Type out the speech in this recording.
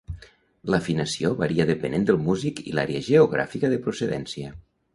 L'afinació varia depenent del músic i l'àrea geogràfica de procedència.